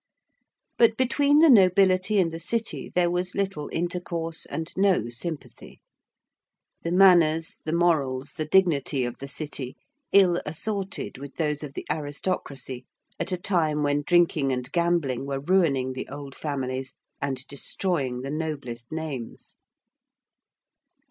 But between the nobility and the City there was little intercourse and no sympathy. The manners, the morals, the dignity of the City ill assorted with those of the aristocracy at a time when drinking and gambling were ruining the old families and destroying the noblest names.